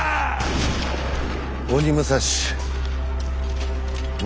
鬼武蔵森